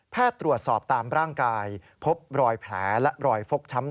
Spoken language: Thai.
ตรวจสอบตามร่างกายพบรอยแผลและรอยฟกช้ำ